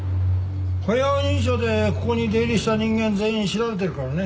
歩容認証でここに出入りした人間全員調べてるからね。